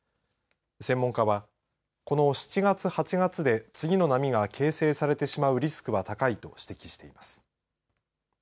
専門家はこの７月、８月で次の波が形成されてしまうリスクは高いと指摘しています。